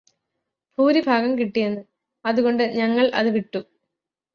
ഭൂരിഭാഗം കിട്ടിയെന്ന് അതുകൊണ്ട് ഞങ്ങള് അത് വിട്ടു